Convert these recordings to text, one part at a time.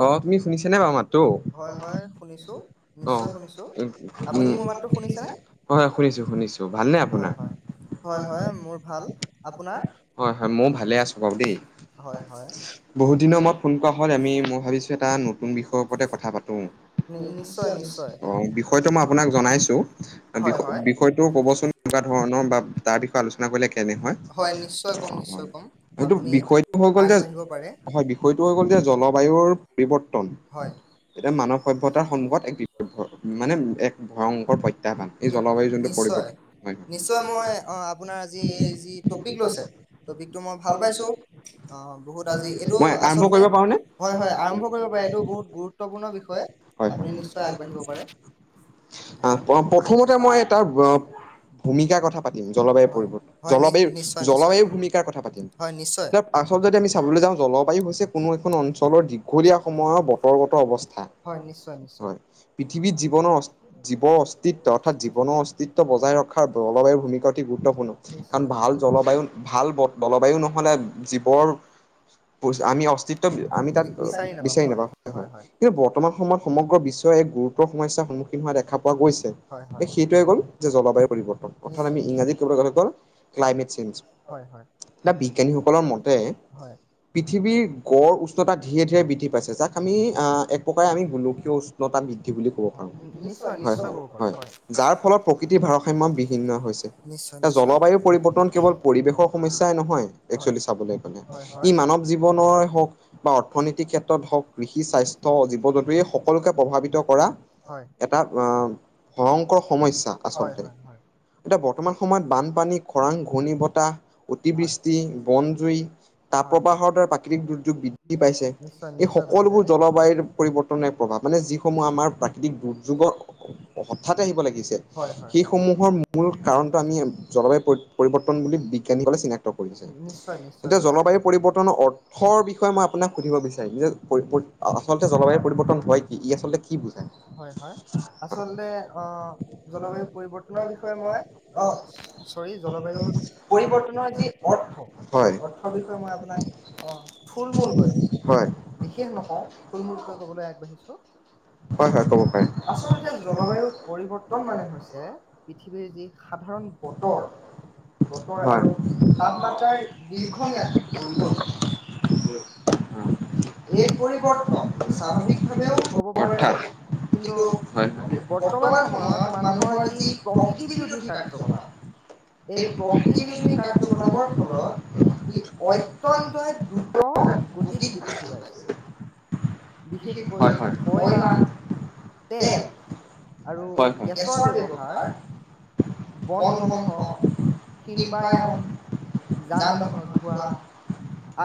অ তুমি শুনিছেনে বাৰু মাতটো হয় হয় শুনিছো অ নিশ্চয় শুনিছো আপুনি উম মোৰ মাতটো শুনিছেনে হয় শুনিছো শুনিছো ভালনে হয় আপোনাৰ হয় হয় হয় মোৰ ভাল আপোনাৰ হয় হয় ময়ো ভালে আছো বাৰু দেই হয় হয় বহুত দিনৰ মূৰত ফোন হ'ল আমি ম ভাবিছো এটা নতুন বিষয়ৰ ওপতে কথা পাতো। নি- নিশ্চয় নিশ্চয় অ বিষয়টো মই আপোনাক জনাইছো হয় হয় বিষয়টো কবচোন কেনেকুৱা ধৰণৰ বা তাৰ বিষয়ে আলোচনা কৰিলে কেনে হয়, অ নিশ্চয় কম নিশ্চয় কম সেইটো আপুনি বিষয়টো হয় গল যে, আগবাঢ়িব পাৰে হয় বিয় তোৰ হৈ গ'ল যে জলবায়ুৰ পৰিৱৰ্তন হয় এতিয়া মানৱ সভ্যতাৰ সন্মুখত এক মানে এক ভয়ংকৰ প্ৰত্যাহ্বান এই নি- জলবায়ু যোনটো নিশ্চয় পৰিৱৰ্তন নিশ্চয় মই অ, আপোনাৰ আজি এই যি টপিক লৈছে টপিকটো মই ভাল পাইছো অ বহুত আজি এইটো মই আৰম্ভ আচলতে কৰিব হয় হয় আৰম্ভ [inaudible] কৰিব পাৰে হয় এইটো বহুত গুৰুত্বপূৰ্ণ বিষয় আপুনি নিশ্চয় আগবাঢ়িব পাৰে হয় প্ৰথমতে মই তাৰ ভূমিকাৰ কথা পাতিম জলবায়ু হয় পৰিব হয় নি জলবায়ু নিশ্চয় নিশ্চয় জলবায়ু ভূমিকাৰ কথা পাতিম হয় নিশ্চয় তাৰ পাছত যদি আমি চাবলৈ যাওঁ জলবায়ু হৈছে কোনো এখন অঞ্চলৰ যি দীঘলীয়া সময়ৰ বতৰগত অৱস্থা হয় নিশ্চয় নিশ্চয় হয় পৃথিৱীত জীৱনৰ জীৱৰ অস্তিত্ব অৰ্থাৎ জীৱনৰ অস্তিত্ব বজাই ৰখাৰ জলবায়ুৰ ভূমিকা অতি গুৰুত্বপূৰ্ণ নিশ্চয় কাৰণ ভাল জলবায়ু ভাল জলবায়ু নহলে জীৱৰ আমি অস্তিত্ব আমি তাত [unintelligible] বিচাৰি নাপাওঁ হয় হয় কিন্তু বৰ্তমান সময়ত সমগ্ৰ বিশ্বই এক গুৰুত্বৰ সমস্যাৰ সন্মুখীন হোৱা দেখা পোৱা গৈছে হয় হয় সেইটোৱে গ'ল যে জলবায়ু পৰিৱৰ্তন অৰ্থাৎ নিশ্চয় আমি নিশ্চয় ইংৰাজীত কবলৈ গলে গ'ল হয় ক্লাইমেট চেঞ্জ হয় হয় এটা বিজ্ঞানীসকলৰ মতে হয় পৃথিৱী গড় উষ্ণতা ধীৰে ধীৰে বৃদ্ধি পাইছে যাক আমি এক প্ৰকাৰে আমি গোলকীয় উষ্ণতা বৃদ্ধি বুলি কব পাৰো হয় নি- নিশ্চয় হয় নিশ্চয় ক'ব পাৰো হয় যাৰ ফলত প্ৰকৃতিৰ ভাৰসাম্য বিহিন্ন হৈছে নিশ্চয় এ নিশ্চয় জলবায়ু পৰিৱৰ্তন কেৱল পৰিৱেশৰ সমস্যাই নহয় হয় একচুৱেলি চাবলৈ গলে হয় ই হয় মানৱ জীৱ দ নোৱাৰে হওক বা অৰ্থনৈতিক ক্ষেত্ৰত হওক কৃষি স্বাস্থ্য জীৱ জন্তু এই সকলোকে প্ৰভাৱিত কৰা হয় এটা আহ ভয়ংকৰ সমস্যা হয় আচলতে হয় হয় এতিয়া বৰ্তমান সময়ত বানপানী খৰাং ঘূৰ্ণী বতাহ হয় অতিবৃষ্টি বন জুই তাপ হয় প্ৰবাহৰ দ্বাৰা দুৰ্যোগ পাইছে নিশ্চয় এই নিশ্চয় পাইছে সকলোবোৰ জলবায়ুৰ পৰিৱৰ্তনে প্ৰভাৱ মানে যিসমূহ আমাৰ প্ৰাকৃতিক দুৰ্যোগৰ হঠাতে আহিব লাগিছে হয় হয় হয় সেইসমূহৰ মূল কাৰণটো আমি জলবায়ু পৰি পৰিৱৰ্তন বুলি বিজ্ঞানীসকলে চিনাক্ত কৰিছে নি- নিশ্চয় নিশ্চয় এতিয়া কৰিছে জলবায়ু পৰিৱৰ্তনৰ অৰ্থ। [unintelligible] আপোনাক সুধিব হয় বিচাৰিম যে হয় হয় আচলতে আচলতে জলবায়ু আহ পৰিৱৰ্তন জলবায়ু পৰিৱৰ্তনৰ হয় বিষয়ে মই অ কি চৰি ই জলবায়ুৰ আচল পৰিৱৰ্তনৰ যি কি অৰ্থ বুজায় হয়? অ ফুল থুলমূলকৈ কবলৈ আগবাঢ়িছো হয় হয় কব পাৰে আচলতে জলবায়ু পৰিৱৰ্তন মানে হৈছে পৃথিৱীৰ যি সাধাৰণ বতৰ বতৰ হয় আৰু তাপমাত্ৰাৰ দীৰ্ঘম্যাদী পৰিৱৰ্তন উম [inaudible] এই পৰিৱৰ্তন স্বাভাৱিকভাৱেও হব পাৰে অৰ্থাৎ হয়। কিন্তু বৰ্তমান সময়ত মানুহৰ যি প্ৰকৃতি বিৰোধী কাৰ্যকলাপ এই প্ৰকৃতি বিৰোধী কাৰ্যকলাপৰ ফলত ই অত্যন্তই দ্ৰুত গতিত বৃ হয় কয়লা, হয় তেল আৰু গেছৰ ব্যৱহাৰ বন ধ্বংস শিল্পায়ন যান বাহনৰ ধোঁৱা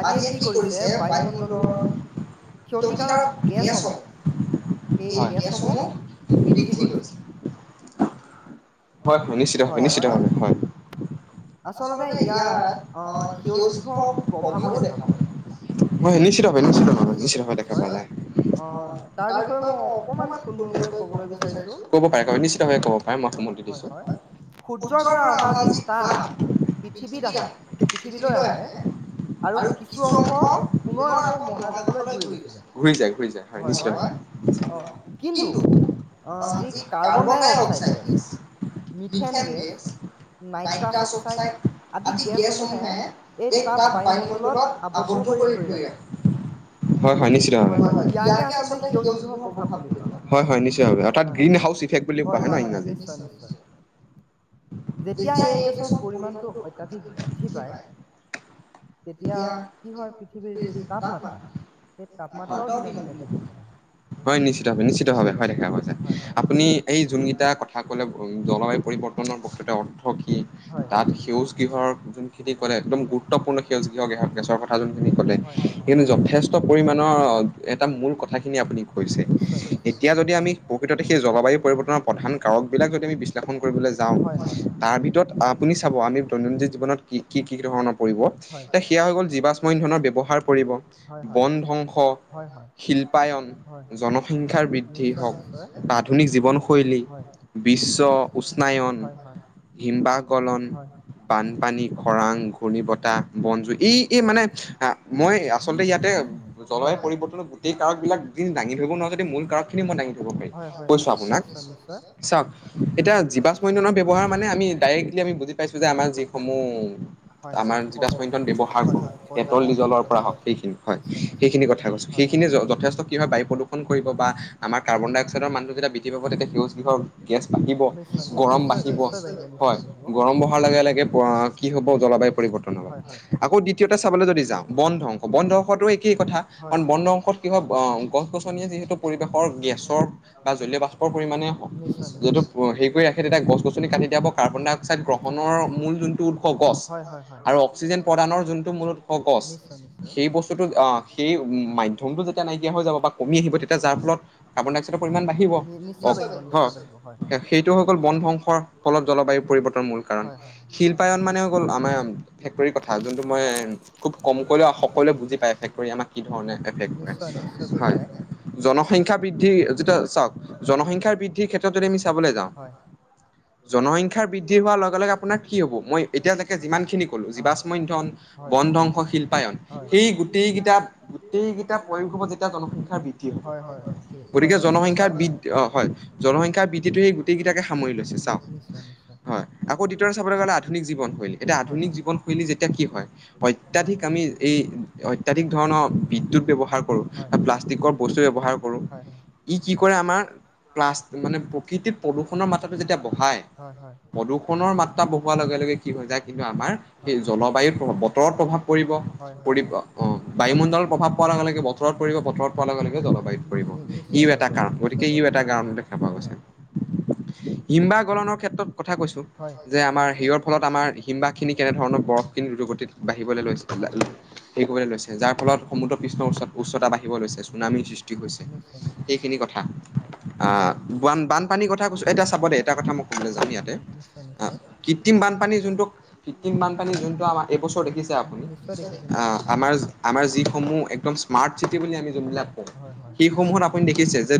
আৰিয়ে কি কৰে ছে বায়ুমণ্ডলৰ ক্ষতিকাৰক গেছসমূহ এই গেছসমূহ বৃদ্ধি কৰিছে। হয়হ য় নিশ্চিত ভাৱে, নিশ্চিত ভাৱে হয়, আচলতে ইয়াৰ ইয়াত আহ সেউজ সেউজগৃহ প্ৰভাৱো দেখা যায় পায়। হয়, নিশ্চিত ভাৱে-নিশ্চিত নিশ্চয় ভাৱে-নিশ্চিত ভাৱে দেখা নিশ্চয়। পোৱা যায়। অ' অ তাৰ বিষয়ে মই অকণমান থুলমূলকৈ ক'ব বিচাৰিছো। ক'ব পাৰে, ক'ব পাৰে নিশ্চিতভাৱে ক'ব পাৰে মই হয় সময় দিম হয় হয় নিশ্চয়কৈ সূৰ্যৰ পৰা অহা যি তাপ পৃথিৱীত আহে, পৃথিৱীলৈ আহে আৰু কিছু অংশ পুনৰ আকৌ মহাকাশলৈ ঘূৰি গুচি যায়। ঘূৰি হয় হয় যায়, ঘূৰি অ যায় কিন্তু হয় নিশ্চিত অ ভাৱে যি কিন্তু কাৰ্বন ডাই এই oxide gas carbon dioxide methane gas, nitrous oxide আদি গেছসমূহে এই তাপ বায়ুমণ্ডলত আৱদ্ধ কৰি ধৰি ৰাখে [unintelligible] হয়-হয় নিশ্চিত ভাৱে হয়-হয়। ইয়াকে আকৌ সেউজ গৃহ প্ৰভাৱ বুলি কোৱা হয়। হয়-হয় নিশ্চিতভাৱে অৰ্থাৎ হয় গ্ৰীণ হয় হয় হাউচ ইফেক্ট বুলি কোৱা হয় ন ইংৰাজীত নিশ্চয় নিশ্চয় যেতিয়া এতিয়া এই গেছৰ দশক [unintelligible] হয়-হয়। পৰিমাণটো অত্যাধিক বৃদ্ধি পায় তেতিয়া কি হয় পৃথিৱীৰ যি তাপমাত্ৰা সেই তাপমাত্ৰাও দিনক দিনে বৃদ্ধি পাই আহে নিশ্চিত ভাৱে, নিশ্চিত নিশ্চয় ভাৱে হয় নিশ্চয় দেখা পোৱা যায়। হয় হয় আপুনি এই যোনকেইটা কথা ক'লে জলবায়ু পৰিৱৰ্তনৰ বকে [unintelligible] হকি হয় তাত সেউজ গৃহৰ যোনখিনি ক'লে একদম গুৰুত্বপূৰ্ণ সেউজ গৃহ গৃহত গেছৰ কথা যোনখিনি ক'লে হয় হয় সেইখিনি হয় যথেষ্ট পৰিমাণৰ এটা মূল কথাখিনি আপুনি কৈছে। নিশ্চয় নিশ্চয় এতিয়া যদি আমি প্ৰকৃততে সেই জলবায়ু পৰিৱৰ্তনৰ প্ৰধান কাৰক বিলাক বিশ্লেষণ কৰিবলৈ যাওঁ হয় হয় তাৰ আপুনি চাব আমি দৈনন্দিন জীৱনত কি-কি-কি ধৰণৰ পৰিব হয় এতিয়া সেয়া হৈ গ'ল জীৱাশ্ম ইন্ধনৰ ব্যৱহাৰ পৰিব। হয় হয় বন ধ্বংস, হয় হয় শিল্পায়ন, হয় জনসংখ্যাৰ বৃদ্ধি নিশ্চয় হওক, নিশ্চয় আধুনিক জীৱনশৈলী হয় বিশ্ব উষ্ণায়ন হয় হয় হিমবাহ গলন, হয় বানপানী, খৰাং, ঘূৰ্ণী বতাহ, বনজুই এই এই মানে আহ মই আচলতে ইয়াতে জলবায়ু পৰিৱৰ্তনৰ গোটেই কাৰক বিলাক দাঙি ধৰিব নোৱাৰো যদি মূল কাৰক খিনি মই দাঙি ধৰিব পাৰিম হয় হয় কৈছো নিশ্চয় আপোনাক নিশ্চয় নিশ্চয় চাওঁক এতিয়া জীৱাশ্ম ইন্ধনৰ ব্যৱহাৰ মানে আমি ডাইৰেক্টলি আমি বুজি পাইছো যে আমাৰ যিসমূহ হয় আমাৰ জীৱাশ্ম ইন্ধন ব্যৱহাৰ কৰো পেট্ৰ'ল ডিজেলৰ পৰা হওঁক সেইখিনি হয়। নিশ্চয় সেইখিনি কথা কৈছো সেইখিনি যথেষ্ট কি হয় বায়ু প্ৰদূষণ কৰিব বা আমাৰ কাৰ্বন ডাই অক্সাইডৰ মানুহ যেতিয়া বৃদ্ধি পাব তেতিয়া সেউজ গৃহৰ গেছ বাঢ়িব, তেতিয়া সেউজ গৃহৰ নিশ্চয় গৰম বাঢ়িব হয়, গৰম বঢ়াৰ লগে লগে কি হ'ব জলবায়ু পৰিৱৰ্তন হ'ব। হয় হয় হয় আকৌ দ্বিতীয়তে চাবলৈ যদি যাও বন ধ্বংস, বন ধ্বংসটো একেই কথা কাৰণ বন ধ্বংসৰ কি হয় আহ গছ-গছনিয়ে যিহেতু পৰিৱেশৰ গেছৰ বা জলীয় বাষ্প পৰিমাণে হওক। নিশ্চয় যিহেতু নিশ্চয়। হেৰি কৰি ৰাখে তেতিয়া গছ-গছনি কাটি দিয়া কাৰ্বন ডাই অক্সাইড গ্ৰহণৰ মূল যোনটো উৎস গছ হয় হয় হয়। আৰু অক্সিজেন প্ৰদানৰ যোনটো মূল উৎস গছ। নিশ্চয় নিশ্চয়। সেই বস্তুটো সেই মাধ্যমটো যেতিয়া নাইকিয়া হৈ যাব বা কমি আহিব তেতিয়া যাৰ ফলত কাৰ্বন ডাই অক্সাইডৰ পৰিমাণ বাঢ়িব নি- নিশ্চয় বাঢ়িব অ'--‌ নিশ্চয় বাঢ়িব হয় সেইটো হৈ গ'ল বন ধংসৰ ফলত জলবায়ু পৰিৱৰ্তনৰ মূল কাৰণ হয় হয়। শিল্পায়ন মানে গ'ল। আমাৰ ফেক্টৰীৰ কথা যোনটো মই হয় খুব কমকৈ সকলোৱে বুজি পায় ফেক্টৰী আমাক কি ধৰণে নি- এফেক্ট কৰে নিশ্চয় নিশ্চয় বুজি হয়। পায়। জনসংখ্যা বৃদ্ধি যেতিয়া চাওক হয় জনসংখ্যা বৃদ্ধি ক্ষেত্ৰত যদি আমি চাবলৈ যাও হয়। জনসংখ্যা বৃদ্ধি হোৱাৰ লগে লগে আপোনাৰ কি হ'ব মই এতিয়ালৈকে যিমানখিনি ক'লো জীৱাশ্ম ইন্ধন, হয়। বন ধ্বংস, শিল্পায়ন সেই গোটেইকেইটা গোটেইকেইটা প্ৰয়োগ হ'ব। যেতিয়া জনসংখ্যা বৃদ্ধি হ'ব হয়। হয় হয় সেই- হয় গতিকে নিশ্চয় জনসংখ্যা হয়। বৃদ্ধি অ' হয়। জনসংখ্যা বৃদ্ধিটো সেই গোটেইটাকে সামৰি লৈছে। নি চা নিশ্চয় নিশ্চয়। আকৌ হয় আকৌ দ্বিতীয়তে চাবলৈ গ'লে আধুনিক জীৱনশৈলী এতিয়া আধুনিক জীৱনশৈলী যেতিয়া কি হয়। অত্যাধিক আমি এই অত্যাধিক ধৰণৰ বিদ্যুৎ ব্যৱহাৰ কৰো। প্লাষ্টিকৰ বস্তু ব্যৱহাৰ কৰো কৰোঁ। ই কি কৰে আমাৰ প্লাষ্ট মানে প্ৰকৃতিৰ প্ৰদূষণৰ মাত্ৰটো যেতিয়া বহাই হয় হয়। ই প্ৰদূষণৰ মাত্ৰা বহোৱাৰ লগে লগে কি হৈ যায় কিন্তু আমাৰ সেই জলবায়ুত প্ৰভাৱ বতৰত প্ৰভাৱ পৰিব হয় হয়। পৰি বায়ুমণ্ডলত প্ৰভাৱ পোৱাৰ লগে লগে বতৰত পৰিব বতৰত পোৱাৰ লগে লগে জলবায়ুত নি- পৰিব নি- ই নিশ্চয় এটা পাৰিব কাৰণ গতিকে নিশ্চয় ই পাৰিব এটা গাম দেখা পোৱা হয় গৈছে হয় হিমবাহ‌ গলনৰ ক্ষেত্ৰত কথা কৈছোঁ, হয় যে আমাৰ নিশ্চয় হেৰিৰ ফলত, আমাৰ হিমবাহখিনি কেনেধৰণৰ বৰফখিনি দ্ৰুতগতিত বাঢ়িবলৈ লৈছে, হয় হেৰি কৰিবলৈ লৈছে, যাৰ ফলত সমুদ্ৰ পৃষ্ঠৰ উচ্চতা, উচ্চতা বাঢ়িবলৈ লৈছে, চুনামীৰ সৃষ্টি হৈছে, নিশ্চয় নিশ্চয় সেইখিনি কথা। হয় অঁ, বান বানপানীৰ কথা কৈছো, এতিয়া চাব দে এটা কথা মই ক'বলে যাম অ, ইয়াতে নি- নিশ্চয় নিশ্চয় কৃত্ৰিম বানপানী যোনটো কৃত্ৰিম বানপানী যোনটো আমাৰ এইবছৰ দেখিছে নি- আপুনি নিশ্চয় দেখিছোঁ নিশ্চয় হয় আমাৰ আমাৰ যিসমূহ একদম স্মাৰ্ট চিটি বুলি আমি যোনবিলাক কওঁ হয় হয় সেইসমূহত আপুনি দেখিছে যে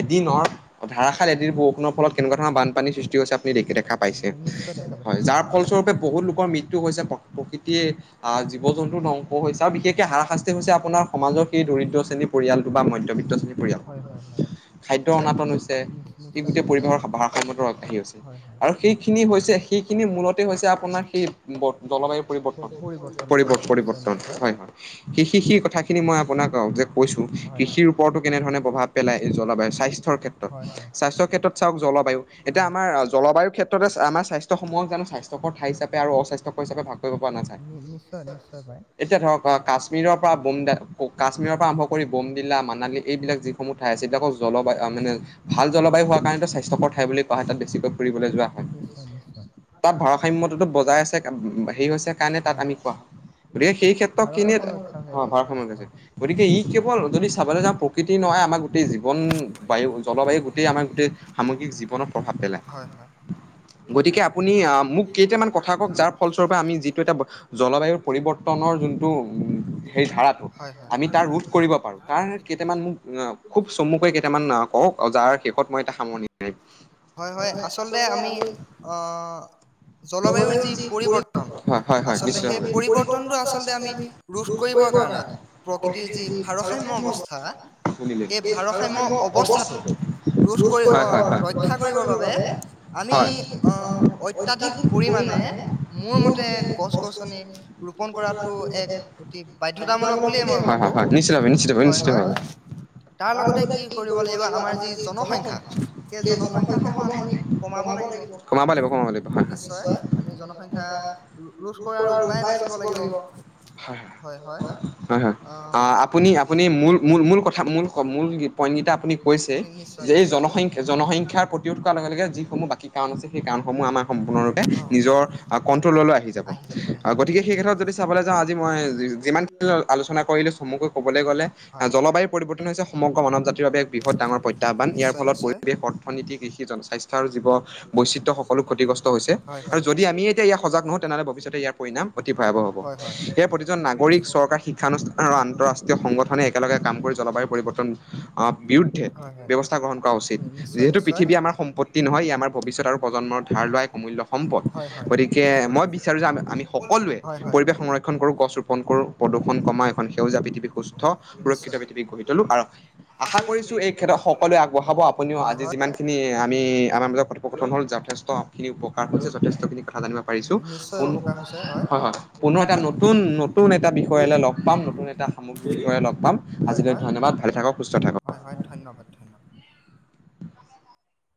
এদিনৰ ধাৰাখাৰ এদিন বৰষুণৰ ফলত কেনেকোৱা ধৰণৰ বানপানীৰ সৃষ্টি হৈছে আপুনি দেখা পাইছে, নি- নিশ্চয় দেখা হয় পাইছোঁ যাৰ ফলস্বৰূপে বহুত লোকৰ মৃত্যু হৈছে, প্ৰ, প্ৰকৃতিয়ে অঁ জীৱ জন্তু ধ্বংস হৈছে, আৰু বিশেষকে হাৰাশাস্তি হৈছে আপোনাৰ সমাজৰ সেই দৰিদ্ৰ শ্ৰেণীৰ পৰিয়ালটো বা মধ্যবিত্ত শ্ৰেণীৰ পৰিয়ালটো। হয় হয় হয় খাদ্য অনাতন হৈছে, নিশ্চ- ই নিশ্চয় গোটেই নিশ্চয় পৰিবেশৰ গাঢ়িছে হয় হয় আৰু সেইখিনি হৈছে, সেইখিনি মূলতে হৈছে আপোনাৰ সেই জলবায়ুৰ পৰিৱৰ্তন। প- পৰিৱৰ্তন হয় নিশ্চয় পৰিবৰ্তন, নিশ্চয় হয়! হয়! স, স, সেই কথাখিনি মই আপোনাক যে কৈছো, হয় কৃষিৰ ওপৰতো কেনেধৰণে প্ৰভাৱ পেলাই জলবায়ু‌ স্বাস্থ্যৰ ক্ষেত্ৰত, হয় হয় স্বাস্থ্যৰ ক্ষেত্ৰত চা জলবায়ু, এতিয়া হয় আমাৰ জলবায়ুৰ ক্ষেত্ৰতে আমাৰ স্বাস্থ্যসমূহক জানো, স্বাস্থ্যকৰ ঠাই হিচাপে আৰু অস্বাস্থ্যকৰ হিচাপে ভাগ কৰিব পৰা নাযায়? নি- নিশ্চয় নিশ্চয় পায় এতিয়া ধৰক অ' কাশ্মীৰৰ পৰা বোমডিল্লা, কাশ্মীৰৰ পৰা আৰম্ভ কৰি বোমডিল্লা, মানালী এইবিলাক যিসমূহ ঠাই আছে জলবায়ু মানে ভাল জলবায়ু হোৱাৰ কাৰণেতো স্বাস্থ্যকৰ ঠাই বুলি কোৱা হয় তাত বেছিকৈ ফুৰিবলৈ যোৱা হয়। নিশ্চয় নিশ্চয় তাত ভাৰসাম্যতো বজাই আছে অ, হেৰি হৈছে কাৰণে তাত আমি কোৱা হয়, গতিকে সেই ক্ষেত্ৰত কেনে ভাৰসাম্য ৰক্ষা হৈ আছে আচলতে ভাৰসাম্য হয় হেৰুৱাইছে গতিকে ই কেৱল যদি চাবলৈ যাওঁ প্ৰকৃতি নহয়, আমাক জীৱন, বায়ু জলবায়ু গোটেই আমাৰ গোটেই সামগ্ৰিক জীৱনত প্ৰভাৱ পেলায়। হয় হয় গতিকে আপুনি মোক কেইটামান কথা কওক, যাৰ ফলস্বৰূপে আমি যিটো এটা জলবায়ুৰ পৰিৱৰ্তনৰ যোনটো হেই ধাৰাটো হয় আমি তাৰ ৰোধ হয় কৰিব পাৰোঁ তাৰ কেইটামান মোক অ চমুকৈ কেইটামান কওক, যাৰ শেষত মই এটা মাৰিম। হয় হয় আচলতে আমি অহ জলবায়ুৰ যি পৰিৱৰ্তন হয় হয় হয় আচলতে সেই নিশ্চয়ভাৱে। পৰিৱৰ্তনটো আচলতে আমি ৰোধ কৰিবৰ কাৰণে প্ৰকৃতিৰ যি ভাৰসাম্য অৱস্থা সেই ভাৰসাম্য অৱস্থাটো ৰোধ কৰি ৰক্ষা কৰিবৰ বাবে আমি হয়। অহ অত্যাধিক পৰিমাণে মোৰ মতে গছ গছনি ৰোপন কৰাটো এক অতি বাধ্যতামূলক বুলিয়ে মই হয় ভাবো হয় হয় হয় হয় তাৰ লগতে কি কৰিব লাগিব আমাৰ যি জনসংখ্যা সেই জনসংখ্যাসমূহ আমি কমাব লাগিব কমাব লাগিব কমাব লাগিব হয় হয় নিশ্চয় জনসংখ্যা ৰোধ কৰাৰ উপায় বাচিব লাগিব হয় হয় আপুনি আপুনি মূল কথা মূল মূল মূল পইণ্টকেইটা আপুনি কৈছে এই জনসংখ্যা যে জনসংখ্যা জনসংখ্যাৰ প্ৰতিৰোধ কৰোৱাৰ লগে লগে যিসমূহ বাকী কাৰণ আছে সেই কাৰণসমূহ আমাৰ সম্পূৰ্ণৰূপে নিজৰ কন্ট্ৰললৈ আহি যাব, গতিকে সেই ক্ষেত্ৰত যদি চাবলৈ যাওঁ আজি মই যিমাখিনি আলোচনা কৰিলো চমুকৈ ক'বলৈ গ'লে জলবায়ু পৰিৱৰ্তন হৈছে সমগ্ৰ মানৱ জাতিৰ বাবে এক বৃহৎ ডাঙৰ প্ৰত্যাহ্বান, ইয়াৰ ফলত অৰ্থনীতি কৃষি জনস্বাস্থ্য আৰু জীৱ বৈচিত্ৰ্য সকলো ক্ষতিগ্ৰস্ত হৈছে, আৰু চ' যদি আমি এতিয়া ইয়াৰ সজাগ নহওঁ তেনেহ'লে ভৱিষ্যতে ইয়াৰ পৰিণাম অতি ভয়াৱহ হব। হয় হয় সেয়ে প্ৰতিজন নাগৰিক চৰকাৰ শিক্ষানুষ্ঠান আৰু আন্তঃৰাষ্ট্ৰীয় সংগঠনে একেলগে কাম কৰি জলবায়ু পৰিৱৰ্তন বিৰুদ্ধে হয় হয় ব্যৱস্থা গ্ৰহণ কৰা উম উচিত নিশ্চয় যিহেতু নিশ্চয়। পৃথিৱী আমাৰ সম্পত্তি নহয় ই আমাৰ ভৱিষ্যত আৰু প্ৰজন্মৰ ধাৰ লোৱা এক অমূল্য সম্পদ। হয় হয়। গতিকে মই বিচাৰো যে আমি সকলোৱে হয় হয়। পৰিৱেশ সংৰক্ষণ কৰো গছ ৰোপন কৰো প্ৰদূষণ কমাই এখন সেউজীয়া পৃথিৱী সুস্থ সুৰক্ষিত নিশ্চয়। পৃথিৱী গঢ়ি তুলো আৰু আশা কৰিছো এই ক্ষেত্ৰত সকলোৱে আগবঢ়াব হয় আজি হয়। যিমানখিনি আমি আমাৰ মাজত কথোপকথন হ'ল যথেষ্ট খিনি উপকাৰ হৈছে। যথেষ্টখিনি কথা জানিব পাৰিছোঁ। নিশ্চয় হয়, উপকাৰ হৈছে হয়, পুনৰ এটা নতুন, নতুন এটা বিষয় লগ পাম, নতুন এটা সামগ্ৰিক বিষয়ে লগ পাম। হয় আজিলৈ হয়। ধন্যবাদ। ভালে থাকক সুস্থ থাকক হয়, হয় ধন্যবাদ।